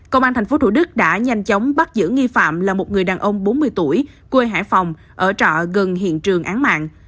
công an tp thủ đức đã nhanh chóng bắt giữ nghi phạm là một người đàn ông bốn mươi tuổi quê hải phòng ở trọ gần hiện trường án mạng